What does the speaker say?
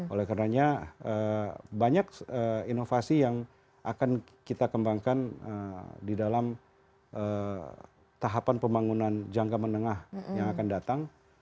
oleh karenanya banyak inovasi yang akan kita kembangkan di dalam tahapan pembangunan jangka menengah yang akan datang